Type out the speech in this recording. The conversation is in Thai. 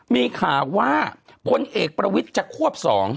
มีข่าวว่าพลเอกประวิทย์จะควบ๒